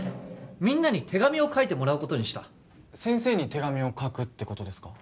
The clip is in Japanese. みんなに手紙を書いてもらうことにした先生に手紙を書くってことですか？